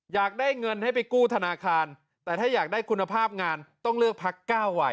อยากได้เงินให้ไปกู้ธนาคารแต่ถ้าอยากได้คุณภาพงานต้องเลือกพักเก้าไหว